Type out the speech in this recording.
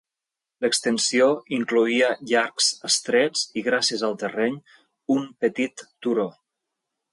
L'extensió incloïa llargs estrets i gràcies al terreny, un petit turó.